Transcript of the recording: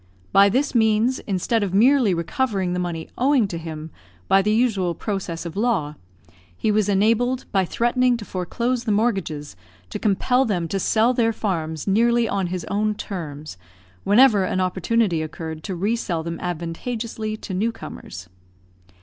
By this means, instead of merely recovering the money owing to him by the usual process of law, he was enabled, by threatening to foreclose the mortgages, to compel them to sell their farms nearly on his own terms, whenever an opportunity occurred to re sell them advantageously to new comers.